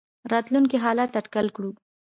راتلونکي حالات اټکل کړو.